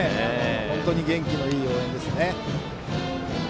本当に元気のいい応援ですね。